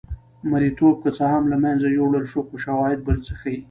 مریتوب که څه هم له منځه یووړل شو خو شواهد بل څه ښيي.